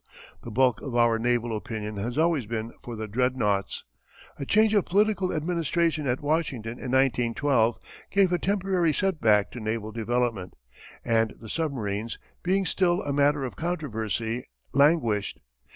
The bulk of our naval opinion has always been for the dreadnoughts. A change of political administration at Washington in 1912 gave a temporary setback to naval development, and the submarines, being still a matter of controversy, languished.